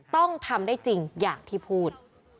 ต้องทำได้จริงอย่างที่พูด